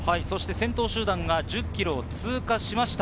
先頭集団が１０ｋｍを通過しました。